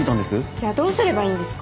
じゃあどうすればいいんですか？